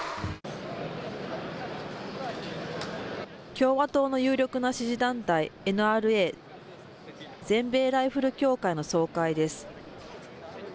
共和党の有力な支持団体、ＮＲＡ・全米ライフル協会の総会です。